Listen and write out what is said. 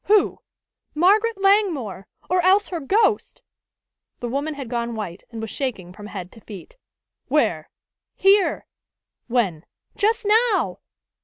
Who?" "Margaret Langmore! Or else her ghost!" The woman had gone white, and was shaking from head to feet. "Where?" "Here." "When?" "Just now!"